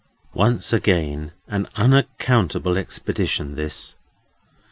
Once again, an unaccountable expedition this!